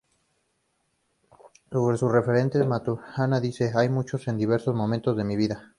Sobre sus referentes, Maturana dice: "Hay muchos, en diversos momentos de mi vida.